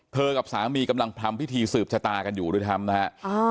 กับสามีกำลังทำพิธีสืบชะตากันอยู่ด้วยซ้ำนะฮะ